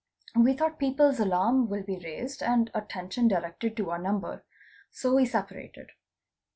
We thought people's alarm will be raised and _ attention directed to our number. So we separated.